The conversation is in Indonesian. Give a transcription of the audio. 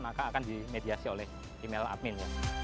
maka akan dimediasi oleh email admin